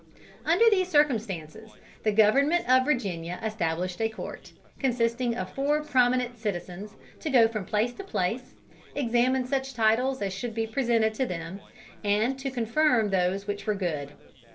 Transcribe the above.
Under these circumstances the Government of Virginia established a court, consisting of four prominent citizens, to go from place to place, examine such titles as should be presented to them, and to confirm those which were good.